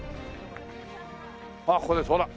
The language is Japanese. あっここですほら。